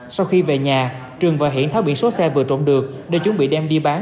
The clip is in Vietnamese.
sau khi về nhà trường và hiển tháo biển số xe vừa trộm được để chuẩn bị đem đi bán